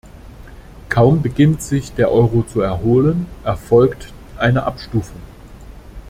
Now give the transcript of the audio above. Kaum beginnt sich der Euro zu erholen, erfolgt eine Abstufung.